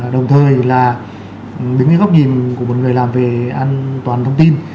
đồng thời là đứng cái góc nhìn của một người làm về an toàn thông tin